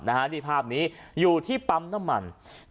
นี่ภาพนี้อยู่ที่ปั๊มน้ำมัน